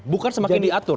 bukan semakin diatur